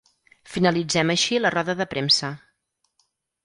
Finalitzem així la roda de premsa.